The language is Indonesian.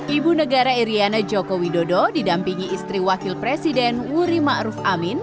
ibu negara iryana joko widodo didampingi istri wakil presiden wuri ma'ruf amin